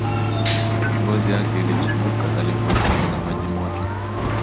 Ngozi yake ilichubuka alipochomwa na maji moto